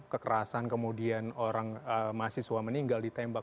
kekerasan kemudian orang mahasiswa meninggal ditembak